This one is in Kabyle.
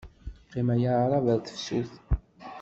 Qqim a yaɛṛab ar tefsut.